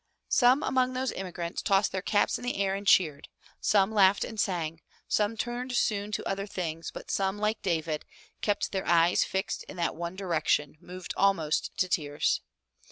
Some among those immigrants tossed their caps in the air and cheered, some laughed and sang, some turned soon to other things, but some, like David, kept their eyes fixed in that one 176 FROM THE TOWER WINDOW direction, moved almost to tears.